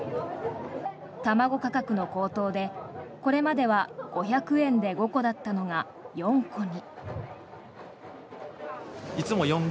卵価格の高騰でこれまでは５００円で５個だったのが４個に。